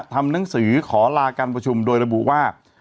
ทำหนังสือขอลาการประชุมโดยระบุว่า